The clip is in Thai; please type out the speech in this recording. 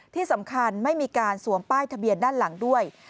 ที่สำคัญไม่มีการสวมป้ายทะเบียนด้านหลังด้วย